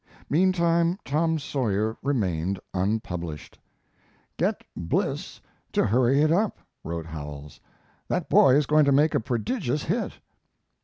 Meantime Tom Sawyer remained unpublished. "Get Bliss to hurry it up!" wrote Howells. "That boy is going to make a prodigious hit."